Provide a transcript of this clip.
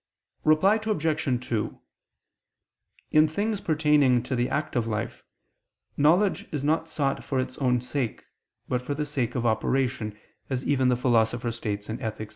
Reply Obj. 2: In things pertaining to the active life, knowledge is not sought for its own sake, but for the sake of operation, as even the Philosopher states (Ethic.